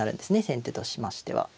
先手としましては。